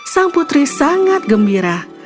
sang putri sangat gembira